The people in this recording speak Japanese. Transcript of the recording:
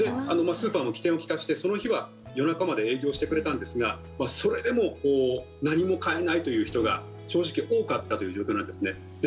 スーパーも機転を利かせてその日は夜中まで営業してくれたんですがそれでも何も買えないという人が正直多かったという状況なんですね。